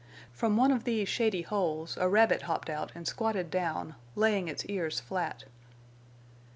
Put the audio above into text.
From one of these shady holes a rabbit hopped out and squatted down, laying its ears flat.